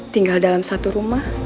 tinggal dalam satu rumah